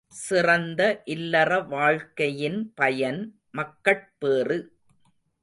சிறந்த இல்லற வாழ்க்கையின் பயன் மக்கட்பேறு.